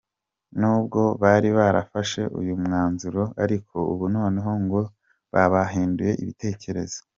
N’ubwo bari barafashe uyu mwanzuro ariko ubu noneho ngo baba bahinduye ibitekerezo.